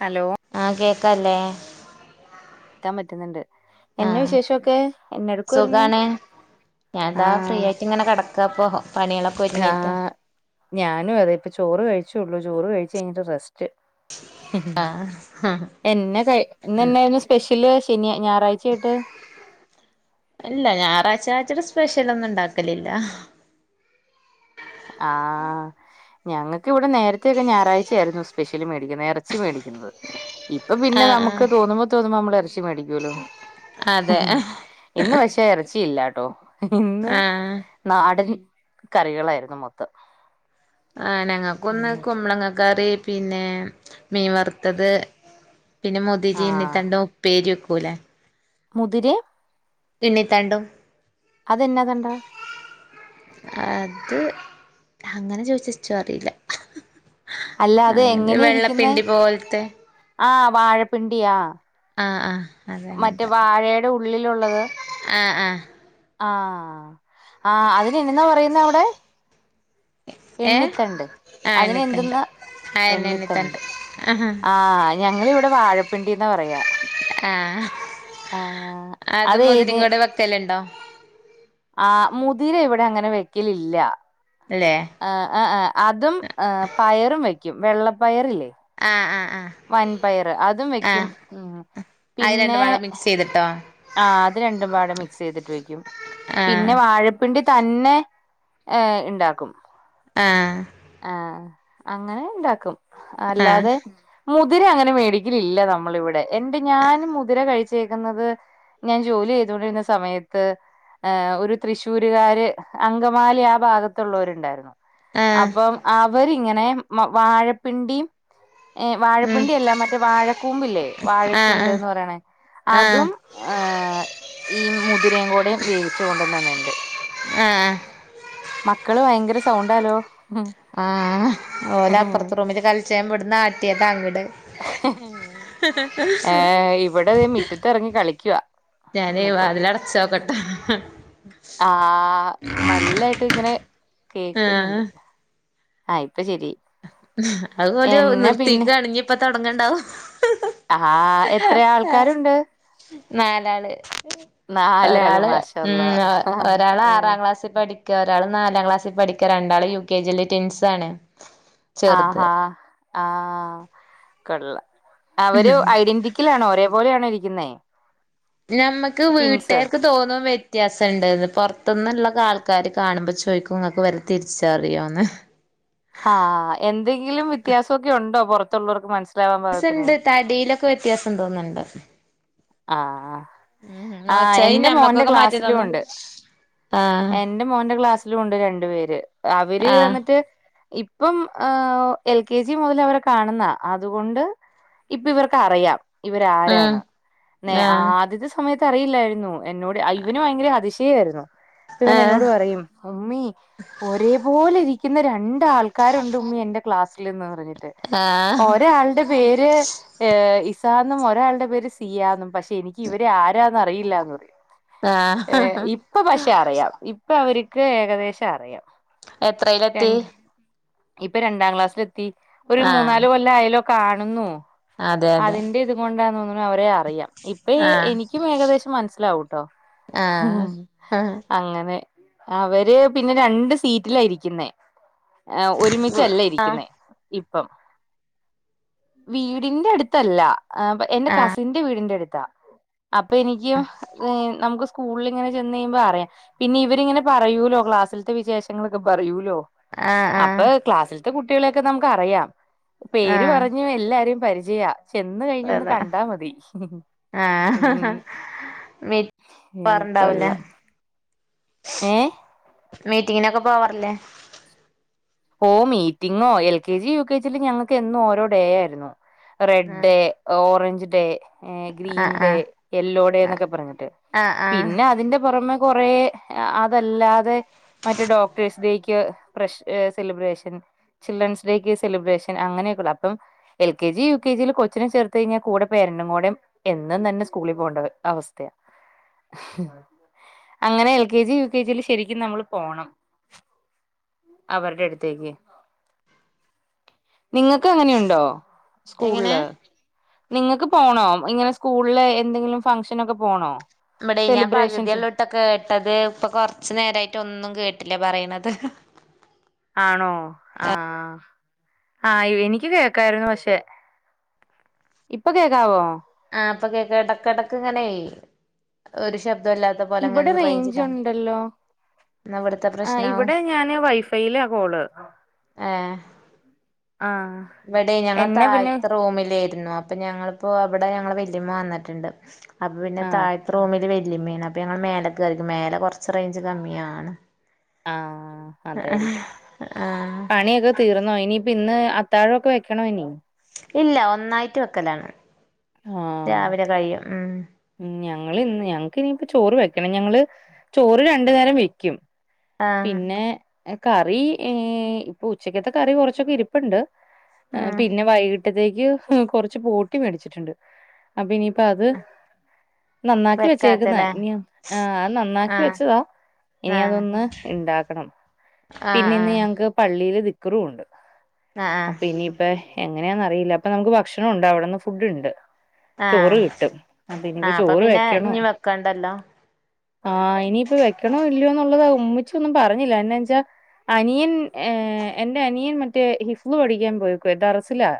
Hello ആഹ് കേക്കാല്ലേ? കേൾക്കാൻ പറ്റുന്നുണ്ട്. എന്നെ ആഹ് വിശേഷംൊക്കെ! എന്നടക്കമായിരുന്നു? സുഖാണ് ആ ഞാൻതാ ഫ്രീ ആയിട്ട് ഇങ്ങനെ കിടക്കാണു. ഇത ഇപ്പോ പണിയള ആ് ഞാനും അതെ, ഇപ്പ ചോറ് കഴിച്ചുള്ളൂ ചോറ് കഴിച്ചു കഴിഞ്ഞിട്ട് റെസ്റ്റ് ആഹ് എന്നെ ക [inaudible] സ്പെഷ്യല് ശനി ഞായറാഴ്ചയായിട്ട് ഇല്ല ഞായറാഴ്ച ആഴ്ച്ച സ്പെഷ്യല ഒന്നും ഉണ്ടാക്കലില്ല. ആ.. ഞങ്ങൾക്ക് ഇവിടെ നേരത്തെൊക്കെ ഞായറാഴ്ചയായിരുന്നു സ്പെഷ്യലി മേടിക്കുന്നത് ഇറച്ചി മേടിക്കുന്നത്. ഇപ്പൊ പിന്നെ ആഹ് നമുക്ക് ആഹ് തോന്നുമ്പോ തോന്ന്പോ നമ്മൾ ഇറ മേടിക്കൂലോ, അതെ ഇന്ന് പക്ഷേ ഇറച്ചിയില്ലാട്ടോ. ഇന്ന് ആഹ് നാടൻ കറികളായിരുന്നു മൊത്തം. ആ ഞങ്ങൾക്കൊന്ന് കുമ്മളങ്ങക്കറി, പിന്നെ മീൻ വറുത്തത്. പിന്നെ മോദിജി എന്നീ ആഹ് തണ്ട ഉപ്പേരി വെക്കൂലേ! മുതിരെ? തെണ്ണിത്താണ്ടം അതന്നെതുണ്ടാ അത് അങ്ങനെ ചോയ്ച്ച ഇച്ചു അറീല. അല്ല അത് അങ്ങനെ വെള്ളപ്പിണ്ടി പോൽത്തെ ആഹ് വാഴപ്പിണ്ടിയാ ആഹ് ആഹ് അതെ മറ്റേ അങ്ങനത്തെ വാഴയുടെ ഉള്ളിലുള്ളത്. ആഹ് ആഹ് ആഹ് ആഹ് അതിന് എന്നെന്ന പറയുന്ന അവിടെ? ഏഹ് എണ്ണിത്തണ്ട് ആഹ് അതിനെ എണ്ണിത്തണ്ട് എന്തെന്ന എണ്ണിത്തണ്ട് ആഹ് ആ ഞങ്ങള് ഇവിടെ വാഴപ്പിണ്ടിന്ന പറയാ. ആഹ് ആ അത് മുതിരിം കൂടെ വക്കലുണ്ടോ? ആഹ് മുതിര ഇവിടെ അങ്ങനെ വെക്കലില്ല. ല്ലേ ആഹ് ആഹ് ആഹ് അതും ഏഹ് പയറും വയ്ക്കും വെള്ളപ്പയറില്ലേ. ആഹ് ആഹ് ആഹ് വൻപയറ് അതും വെക്കും ആഹ് ഉം പിന്നെ ല്ട്ടോ ആഹ് അത് രണ്ടും പാട മിക്സ്യ്തിട്ട് വെക്കും. ആഹ് പിന്നെ വാഴ പ്പിണ്ടി തന്നെ എഹ് ഇണ്ടാക്കും. ആഹ് ആഹ് അങ്ങനെ ഇണ്ടാക്കും ആഹ് അല്ലാതെ മുതിര അങ്ങനെ മേടിക്കലില്ല നമ്മള് ഇവിടെ. എൻറെ ഞാൻ മുതിര കഴിച്ചേക്കുന്നത് ഞാൻ ജോലി ചെയ്തോണ്ടിരുന്ന സമയത്ത് ഹേ ഒരു തൃശ്ശൂരുകാര് അങ്കമാലി ആ ഭാഗത്തുള്ളവരുണ്ടായിരുന്നു. ആഹ് അപ്പം അവരിങ്ങനെ മൊ വാഴപ്പിണ്ടിം ഏഹ് ഉം വാഴപ്പിണ്ടി അല്ല മറ്റേ വാഴക്കൂമ്പില്ലേ ആഹ് ആഹ് വാഴച്ചുണ്ട്ന്ന് പറയണേ ആഹ് അതുംഏഹ് ഈ മുതിരയും കൂടെ വേവിച്ചു കൊണ്ട് തന്നിണ്ട്. ഏഹ് മക്കള് വയങ്കര സൗണ്ടല്ലോ ആഹ് ഓല അപ്പുറത്ത് റൂമില് കളിച്ചേൻ വിട്ന്നാട്ടിയതാ അങ്ങട്. [inaudible] ഏഹ് ഇവിടെ അഹ് മിറ്റത്ത്റങ്ങി കളിക്കുവ ഞാന് ന്നപ്പൊ വാതിലടച്ചോക്കട്ടെ ആഹ് നല്ലായിട്ട് ങ്ങനെ കേക്കുന്നുണ്ട്. ആഹ് ആഹ് ഇപ്പൊ ശെരി അഹ് ഓലു നിർത്തിക്കാണെങ്കി ഇപ്പ തുടങ്ണ്ടാവും. അ ഹാ എത്ര ആൾക്കാരുണ്ട്? നാലാള് നാലാള് ഒരാള് മാഷാ ഉം അള്ളാ ഒരാള് ആറാം ക്ലാസ്സിൽ പഠി ക്ക് ഒരാള് നാലാം ക്ലാസ്സി പഠിക്ക രണ്ടാള് യു കെ ജില് ടിൻസ് ആണ്. ആ ഹാ ആഹ് കൊള്ള അവര് ഐഡന്റി ക്കിലാണോ ഒരേപലേണോ ഇരിക്കുന്നേ? നമ്മക്ക് ട്വിൻസ് വീട്ടാർക്ക് തോന്നും വ്യത്യാസംണ്ട്ന്ന് പൊർത് ന്ന്ള്ളകെ ആൾക്കാാര് കാണുമ്പോ ചോയ്ക്കുംങ്ങക്ക് വരെ തിരിച്ചറിയോന്ന്? ആഹഹ് എന്തെങ്കിലും വ്യത്യാസോക്കെ ഉണ്ടോ പുറത്തുള്ളവർക്ക് മനസ്സിലവാൻ പാഗത്തിന്? വ്യത്യാസണ്ട് തടിയിലൊക്കെ വ്യത്യാസം തോന്നുണ്ട് ആഹ് ഉം ആഹ് ഒച്ചായി എന്റെ മോന്റെ ഞമ്മക്കൊക്കെ മാറ്റം ക്ലാസ്സിലും തോന്നും ഉണ്ട്. ആഹ് എന്റെ മോന്റെ ക്ലാസ്സിലുണ്ട് രണ്ടു പേര് അവര് ആഹ് വന്നിട്ട് ഇപ് പ്പം എഹ് എൽ കെ ജി മുതൽ അവരെ കാണുന്ന അതുകൊണ്ട് ഇപ്പ ഇവർക്ക് അറിയാം. ഇവര് ഉം ആരാണ്. നേ ആഹ് ആദ്യത്തെ സമയത്ത് അറിയില്ലായിരുന്നു എന്നോട് അ ഇവന് വയങ്കര അതിശയായിരുന്നു. പവൻ എന്നോട് ആഹ് പറയും ഉമ്മി ഒരേ പോലെ ഇരിക്കുന്ന രണ് ആൾക്കാരുണ്ട് ഉമ്മി എന്റെ ക്ലാസ്ൽ എന്ന് പറഞ്ഞിട്ട് ഓരെ ഒരാളുടെ പേര് ഇസന്നും ഒരാളുടെ പേര് സിയാന്നും പക്ഷെ എനിക്ക് ഇവരെ ആരാന്ന് അറിയില്ലാന്ന് പറയും ആഹ് ആഹ് ഇപ്പൊ പക്ഷെ അറിയാം ഇപ്പൊ അവർക്ക് ഏകദേശം അറിയാം എത്രയിലെത്തി രണ്ട് ഇപ്പൊ രണ്ടാം ക്ലാസ്സിലെത്തി. ഒരു ആഹ് മൂന്നാല് കൊല്ലം ആയല്ലോ കാണുന്നു അതെ അതെ അതിന്റെ ഇത് ണ്ടാ തോന്നുന്നു അവരെ അറിയാം. ഇപ്പ ആഹ് എനിക്കും ഏകദേശം മനസ്സിലാവും ട്ടോ ആഹ് ആഹ് അങ്ങനെ അവര് പിന്നെ രണ്ട് സീറ്റിലായിരിക്കുന്നേ ഒരുമിച്ചല്ല ആഹ് ഇരിക്കുന്നേ ഇപ്പം വീടിന്റെ അടുത്തല്ല എന്റെ കസിൻ ന്റെ വീടിന്റെ അടുത്താ അപ്പൊ എനിക്കും നമുക്ക് സ്കൂളിൽ ഇങ്ങനെ ചെന്ന് കഴിയുമ്പോ അറിയാം പിന്നെ ഇവരിങ്ങനെ പറയൂലോ ക്ലാസ്സിലെത്തെ വിശേഷങ്ങളൊക്കെ പറയൂലോ ആഹ ആ അപ്പൊ ക്ലാസ്സിലത്തെ കുട്ടികളെയൊക്കെ നമുക്ക് അറിയാം പേര് ആഹ് പറഞ്ഞു എല്ലാരും പരിചയാ ചെന്ന് കഴിഞ്ഞ് ഒന്ന് അതാ കണ്ടാ മതി. ഉം ആഹ് മീറ്റ് ഉം പോവാറുണ്ടാവൂലേ കൊള്ളാം. ഏഹ് മീറ്റിങ്ങിനൊക്കെ പോവാറില്ലേ ഓ മീറ്റിങ്ങോ L K G, U K ജിയില് ഞങ്ങൾക്ക് എന്നും ഓരോ ഡേ ആയിരുന്നു. Red ah day orange day ഏ green ah day ah yellow day എന്നൊക്കെ പറഞ്ഞിട്ട് ആഹ് ആഹ് പിന്നെ അതിന്റെ പുറമേ കൊറ അതല്ലാതെ മറ്റേ ഡോക്ടേഴ്സ് ഡേക്ക് പ്രഷ് സെലിബ്രേഷൻ ചിൽഡ്രൻസ് ഡേക്ക് സെലിബ്രേഷൻ അങ്ങനെയൊക്കെള്ളൂ അപ്പം L K G U K ജിയിൽ കൊച്ചിനെ ചേർത്ത് കഴിഞ്ഞാൽ കൂടെ പേരൻറും കൂടെ എന്നും തന്നെ സ്കൂളിൽ പോണ്ടെ അവസ്ഥയാ അങ്ങനെ L K G, U K ജിയില് ശരിക്കും നമ്മള് പോണം. അവര്ടെ എടു തേക്ക്. നിങ്ങക്ക് അങ്ങനെയുണ്ടോ എങ്ങനെ സ്കൂൾല്. നിങ്ങക്ക് പോണോ ഇങ്ങനെ സ്കൂൾലെ എന്തെങ്കിലും ഫംഗ്ഷനൊക്കെ പോണോ. മ്മടെ ഞാൻ പക്‌തി സെലിബ്രേഷൻസ് ഒള്ളു ഇട്ട കേട്ടത് ഇപ്പൊ കൊറച്ചു നേരമായിട്ട് ഒന്നും കേട്ടില്ല പറയണത്. ആണോ ആഹ് ആ എനിക്ക് കേക്കായിരുന്നു പക്ഷെ. ഇപ്പൊ കേക്കാവോ. ആ ഇപ്പൊ കേക്ക എടക്കെടക്ക് ങ്ങനെ ഒരു ശബ്ദല്ലാത്ത ഇവടെ റേഞ്ച് ഉണ്ടല്ലോ. ഇന്ന് ഇവട്ത്തെ ആ് ഇവ്ടെ ഞാന് വൈഫൈയിലാ കോള്. ഏഹ് ആഹ് ഇവിടെ ഞങ്ങൾ എന്നെ പിന്നെ താഴ്ത്തെ റൂമിലേയിരുന്നു അപ്പൊ ഞങ്ങളിപ്പോ അവ്ടെ ഞങ്ങള് വല്യമ്മ വന്നിട്ടുണ്ട്. അത് പിന്നെ ആഹ് താഴ്ത്ത റൂമില് വെല്ലിമ്മീണ് അപ്പൊ ഞങ്ങൾ മേലെക്ക് കേറിക്ക്ണ് മേല കൊർച്ച് റേഞ്ച് കമ്മിയാണ്. ആഹ് അതായിരിക്കും ആഹ് പണിയൊക്കെ തീർന്നോ ഇനി ഇപ്പൊ ഇന്ന് അത്താഴമൊക്കെ വെക്കണോ ഇനി. ഇല്ല ഒന്നായിട്ട് വെക്കലാണ് ആഹ് രാവിലെ കഴിയും ഉം. ഉം ഞങ്ങൾ ഇന്ന് ഞങ്ങക്ക് ഇനിപ്പൊ ചോറ് വെക്കണം ഞങ്ങള് ചോറ് രണ്ടു നേരം വെക്കും. ആഹ് പിന്നെ കറീ ഏഹ് ഇപ്പൊ ഉച്ചക്കത്തെ കറി കുറച്ചൊക്കെ ഇരി പ്പ്ണ്ട്. ഉം പിന്നെ വൈകിട്ടത്തേക്ക് കുറച്ച് പോട്ടി മേടിച്ചിട്ടുണ്ട്. അപ്പ ഇനീപ്പൊ അത് നന്നാക്കി വെച്ചേക്കുന്ന വെക്കാത്തല്ലേ ഇനി ആ അത് നന്നാക്കി ആഹ് വെച്ചതാ ഇനി ആഹ് അതൊന്ന് ഇണ്ടാക്കണം ആഹ് പിന്നെ ഇന്ന് ആഹ് ഞങ്ങക്ക് പള്ളീല് ദിക്റൂംണ്ട് ആഹ് ആഹ് അപ്പ ഇനി പ്പെഹ് എങ്ങനെയാന്നറിയില്ല അപ്പ നമ്മക്ക് ഭക്ഷണണ്ട് അവിടുന്ന് ഫുഡ്ണ്ട്. ചോറ് ആഹ് കിട്ടും അപനിപ്പൊ ആഹ് അപ്പൊ ചോറ് പിന്നെ വെക്കണോ. ഇഞ്ഞി വെക്കണ്ടല്ലോ ആഹ് ഇനിയിപ്പൊ വെക്കണോ ഇല്ലയോന്നുള്ളത് ഉമ്മിച്ച ഒന്നും പറഞ്ഞില്ല എന്നാച്ചാ അനിയൻ ഏഹ് എന്റെ അനിയൻ മറ്റേ ഹിഫ്ള് പഠിക്കാൻ പോയെ ക്ക്‌വേ. ദറസിലാ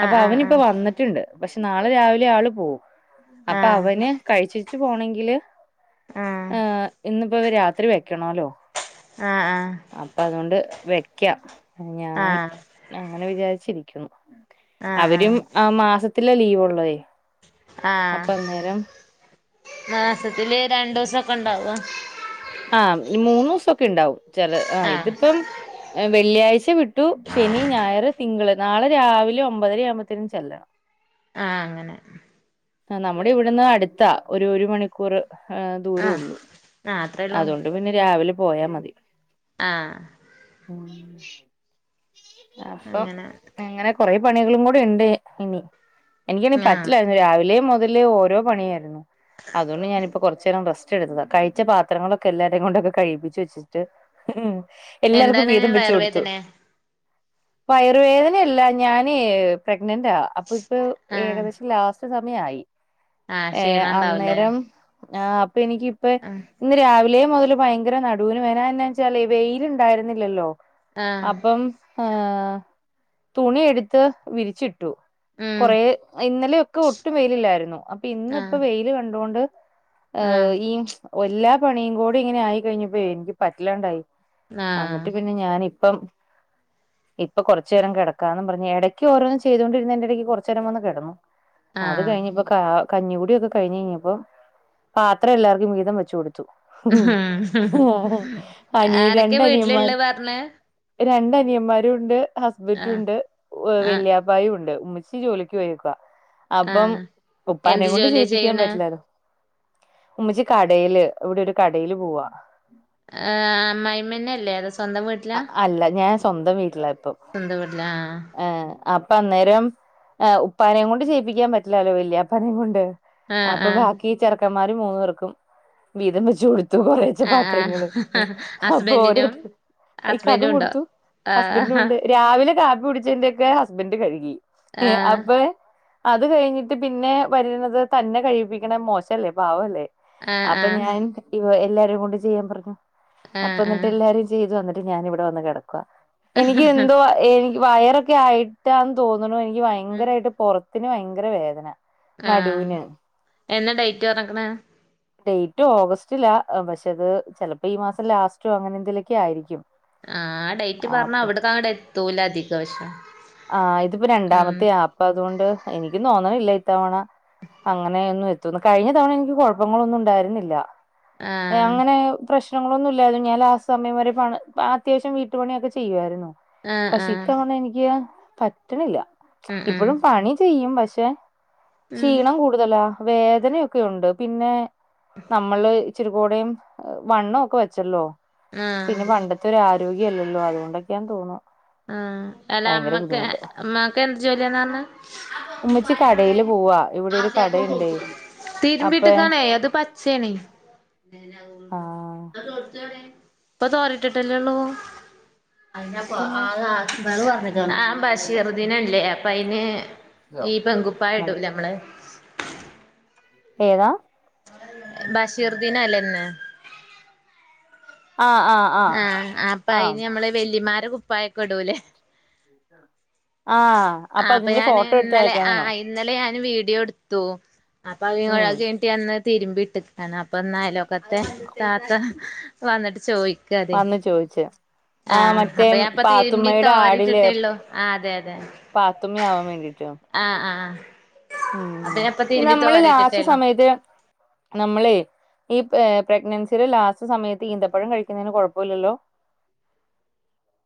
ആഹ് അപ്പ ആഹ് അവനിപ്പ വന്നിട്ടുണ്ട് പക്ഷെ നാളെ രാവിലെ ആള് പോവും. അപ്പ ആഹ് അവന് കഴിച്ചേച്ച് പോണെങ്കില് ആഹ് ഏഹ് ഇന്ന്പ്പൊവ രാത്രി വെക്കണോല്ലോ ആഹ് ആഹ് അപ്പ അതോണ്ട് വെക്കാം. ആഹ് ഞാൻ ആഹ് അങ്ങനെ വിചാരിച്ചിരിക്കുന്ന് ആഹ് ആഹ് അവനും ആ മാസത്തിലേ ലീവാള്ളേ ആഹ് മാസത്തില് രണ്ടൂസൊക്കെണ്ടാവൊ? ആഹ് മൂന്നൂസൊക്കെ ഇണ്ടാവും. ച്ചെല ആഹ് ഇതിപ്പം വെള്ളിയാഴ്ച വി ട്ടു ശനി, ഞായർ, തിങ്കള് നാളെ രാവിലെ ഒമ്പതര യാവ്മ്പോത് നും ചെല്ലണം. ആഹ് അങ്ങനെ. അഹ് നമ്മടെ ഇവ്ടുന്ന് അടുത്താ ഒരു ഒരു മണിക്കൂർ ഏഹ് ആഹ് ദൂരൊള്ളൂ. ആഹ് അത്രേള്ളൂ. പ്പ പിന്നെ രാവിലെ പോയാമതി. ആഹ് പോണം അഫം അങ്ങനെ അങ്ങനെ കൊറെ പണികളും കൂടെ ണ്ട് ഇനി. എനിക്കിനി ആഹ് പറ്റ്ലാ രാവിലേ മുതലേ ഓരോ പണിയാ യിരുന്നു. അതോണ്ട് ഞാനിപ്പോ കുറചേരം റെസ്റ്റ് എടുത്തതാ കഴിച്ച പാ ത്രങ്ങളൊക്കെ എല്ലാരേ കൊണ്ടൊക്കെ കഴിപ്പിച്ച് വച്ചിട്ട് ഉം എല്ലാർക്കും എന്താണ് വീതം വെച്ച് കൊടുത്തു. വയർവേദനെ വയർവേദനയല്ലാ ഞാനേ പ്രഗ്നന്റാ. അപ്പൊ ഇപ്പൊ ആഹ് ഏകദേശം ലാസ്റ്റ് സമയായി ആഹ് ഏ ക്ഷീണം ഉണ്ടാവൂലേ അന്നേരം. ആഹ് പ്പെനിക്കിപ്പെ. ആഹ് രാവിലേ മുതൽ ഭയങ്കര നടുവിന് വേന അഎന്നാച്ചാലെ വെയില് ണ്ടായിരുന്നില്ലല്ലോ ആഹ് അപ്പം. ആഹ് തുണിയെടുത്ത് വിരിച്ചിട്ടു. ഉം കൊറേ ഇന്നലെയൊക്കെ ഒട്ടും വെയിലില്ലായിരുന്നു അപ്പൊ ഇന്നിപ്പൊ ആഹ് വെയില് കണ്ടോണ്ട്. ആ ആഹ് ഈ വെല്ലാ പണിയും കൂടി ഇങ്ങനെ ആയി കഴിഞ്ഞപ്പഴേ എൻക്ക് പറ്റില്ലാണ്ടായി. അന്നിട്ട് ആഹ് പിന്നെ ഞാനിപ്പം. ഇപ്പ കൊറച്ചേരം കെടക്കാന്നും പറഞ്ഞ് എടയ്ക്ക് ഓരോന്നു ചെയ്തോണ്ടിരുന്നേന്റെടയ്ക്ക് കൊറച്ചേരം വന്ന് കെടന്നു. [inaudible] അത് ആഹ് കഴിഞ്ഞ്പ്പൊ കാ കഞ്ഞികുടിയൊക്കെ കഴിഞയ്ഞ്ഞപ്പ പാത്രം എല്ലാർക്കും വീതം വെച്ചു കൊടുത്തു. ഹും അനിയ ആരൊക്കെ രണ്ടനിയന്മാര്. വീട്ടിലിള്ളെ പറഞ്ഞ് രണ്ടനിയന്മാരുണ്ട് ആഹ് ഹസ്ബൻ്റുണ്ട് വ ആഹ് വല്യാ വയുണ്ട് ഉമ്മച്ചി ജോലിക്ക് പോയേക്കുവാ. അപ്പം ആഹ് എന്ത് ഉപ്പാനേം കൊണ്ട് ജോലിയാ ചെയ്യിപ്പിക്കാൻ ചെയ്യണെ പറ്റില്ലാലോ. ഉമ്മച്ചി കടേല് ഇവിടൊരു കടേല് പോവാ. ആ അമ്മായിമ്മന്നല്ലെ അതോ സ്വന്തം വീട്ട് അ അല്ല ഞാൻ സ്വന്തം വീട്ടിലാ ഇപ്പം സ്വന്തം വീട്ടിലാ ആഹ് ഏ അ പ്പഅന്നേരം ആ ഉപ്പാനേം കൊണ്ട് ചെയ്യിപ്പിക്കാൻ പറ്റില്ലാലോ വല്യാപ്പാനേം കൊണ്ട്. ആഹ് അപ്പ ആഹ് ബാക്കി ചെറ്ക്കന്മാര് മൂന്നു പേർക്കും വീതം വെച്ച് കൊടു ത്തുകുറേച്ചെ ആഹ് പാത്രങ്ങള് ആഹ് അപ്പൊ ഓരൊ ഹസ്ബൻഡിനും ഹസ്ബൻഡും ഇക്കാക്കും ഉണ്ടോ? കൊടുത്തു ഹസ്ബൻ്റും ആഹ് ണ്ട്. രാവിലെ കാപ്പി കുടിച്ചേൻ്റൊക്കെ ഹസ്ബൻ്റ കഴുകി ഈ ആഹ് അപ്പെ. അത് കഴിഞ്ഞിട്ട് പിന്നെ വരുന്നത് തന്നെ കഴികിപ്പിക്കണേ മോശല്ലേ പാവല്ലേ ആഹ് അപ്പൊ ആഹ് ഞാൻ ഇവ എല്ലാരേം കൊണ്ട് ചെയ്യാൻ പറഞ്ഞു ആഹ് അപ്പന്നിട്ട് ആഹ് എല്ലാരും ചെയ്തു വന്ന് ന്ന്ട്ട് ഞാനിവിടെ വന്ന് കെടക്കുവാ എനിക്ക് എന്തോ എനിക്ക് വയറൊക്കായിട്ടാന്ന് തോന്നണു എനിക്ക് ഉം ഭയങ്കരായിട്ട് പൊറത്തിന് ഭയങ്കര വേദന ആഹ് നടുവിന് എന്നാ ഡേറ്റ് പറഞ്ഞക്കണ് ഡേറ്റ് ഓഗസ്റ്റിലാ പക്ഷെ ഇത് ചെലപ്പോ ഈ മാസം ലാസ്റ്റോ അങ്ങനെന്തേലൊക്കെ ആയിരിക്കും ആ ഡേറ്റ് പറഞ്ഞാ ആപ്പ അവിട്ക്കങ്ങണ്ട് എത്തൂല അധികം പക്ഷെ ആഹ് ഇതിപ്പോ ഉം രണ്ടാമത്തെയ അപ്പ അതോണ്ട് എനിക്ക് തോന്നണില്ല ഇത്തവണ അങ്ങനെയൊന്നും എത്തുന്ന് കഴിഞ്ഞ തവണ എനിക്ക് കുഴപ്പങ്ങളൊന്നും ഉണ്ടായിരുന്നില്ല ആഹ് അങ്ങനെ പ്രശ്ന പ്രശ്നങ്ങളൊന്നുല്ലായിരുന്നു ഞാൻ ലാസ്റ്റ് സമയം വരെ പണ് അത്യാവശ്യം വീട്ടു പണിയൊക്കെ ചെയ്യുവായിരുന്നു ആഹ് പക്ഷെ ആഹ് ഇത്തവണ എനിക്ക് പറ്റണില്ല ഉം ഉം ഇപ്പോഴും പണി ചെയ്യും പക്ഷെ ഉം ക്ഷീണം കൂടുതലാ വേദനയൊക്കെയുണ്ട് പിന്നെ നമ്മള് ഇച്ചിരി കൂടെം വണ്ണോക്കെ വെച്ചല്ലോ ആഹ് പിന്നെ പണ്ട് ത്തൊരു ആരോഗ്യല്ലല്ലോ അതോണ്ടൊക്കെയാന്ന് തോന്ന്ണു ആ അല്ല അമ്മ മ്മാക്ക് എന്ത് ജോലിയാന്ന ഉമ്മച്ചി കടയില് പറഞ്ഞെ പോവാ ഇവിടെ ഒരു കടയുണ്ടേ അപ്പ തിരുമ്പിട്ടക്കാണെ അത് പച്ചേണേ ആ പ്പൊ തോരട്ടട്ടല്ലെള്ളു ഇതെന്നാ [unintelligible] ബ്ള് വന്നേക്കണ് ആ ബഷീർദിനല്ലേ അപ്പൊ അയിന് ഈ മതി പെങ്കുപ്പായിടൂലെ നമ്മള് ഏതാ ബഷീർദിനല്ലെ ഇന്ന് ആഹ് ആഹ് ആഹ് ആ അപ്പൊ ആഹ് അയിന് നമ്മള് വെല്ലിമ്മാരെ കുപ്പായൊക്കെ ഇടൂലേ ആഹ് ആ അപ്പൊ അതിന്റെ ഞാന് ഫോട്ടോ എടുത്ത് ഇന്നലെ ആ അയക്കാനാണോ അ ഇന്നലെ ഞാൻ വീടിയോ എടുത്തു അപ്പോഅത് ഉം കയിഞ്ഞട്ട് ഞാനിന്ന് തിരുമ്പി ഇട്ട് അപ്പ ഇന്ന അയൽവക്കത്തെ താത്ത വന്നട്ട് ചോയി വന്ന് ചോയ്ച്ചേ ആ അപ്പൊ ഞാനിപ്പ തിരുമ്പി ആടില് തോരട്ടിട്ടുള്ളൂ ആ അതെ അതെ പാത്തുമ്മയാവാൻ വേണ്ടിയിട്ടൊ. ആഹ് ആഹ് അപ്പൊ മ്മ് ഞാൻ ഇപ്പൊ ഈ തിരുമ്പി നമ്മള് ലാസ്റ്റ് തോരയിട്ടിട്ടേള്ളൂ സമയത്ത് നമ്മളെ ഈ പ്രെ ഏഹ് പ്രെഗ്നൻസിയുടെ ലാസ്റ്റ് സമയത്ത് ഈന്തപ്പഴം കഴിക്കുന്നേന് കൊഴപ്പമില്ലല്ലോ.